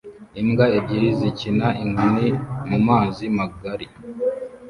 Imbwa ebyiri zikina inkoni mumazi magari